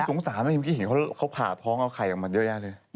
สงสารนะเมื่อกี้เห็นเขาผ่าท้องเอาไข่ออกมาเยอะแยะเลย